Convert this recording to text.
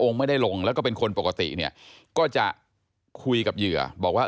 ไม่ได้ลงแล้วก็เป็นคนปกติเนี่ยก็จะคุยกับเหยื่อบอกว่า